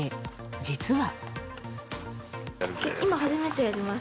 実は。